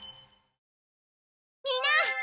みんな！